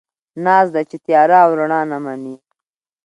ناز دی، چې تياره او رڼا نه مني